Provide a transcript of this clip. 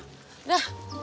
udah masuk aja